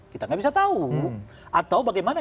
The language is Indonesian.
kita nggak bisa tahu atau bagaimana